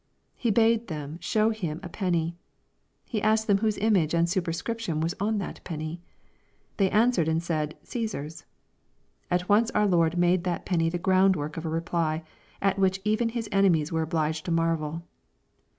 He bade them show Him a penny. He asked them whose image and superscription was on that penny ?" They answered and said, Caesar's." At once our Lord made that penny the groundwork of a reply, at which even His enemies were obliged to marvel.